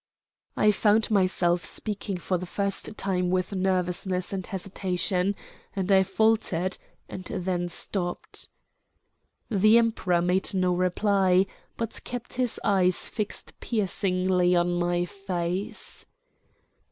I found myself speaking for the first time with nervousness and hesitation; and I faltered, and then stopped. The Emperor made no reply, but kept his eyes fixed piercingly on my face.